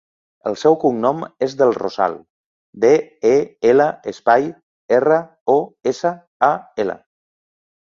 El seu cognom és Del Rosal: de, e, ela, espai, erra, o, essa, a, ela.